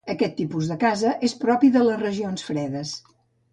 Aquest tipus de casa és propi de les regions fredes.